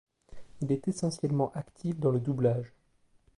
Il est essentiellement actif dans le doublage.